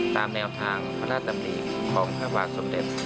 ตามแนวทางพระราชดำริของพระบาทสมเด็จ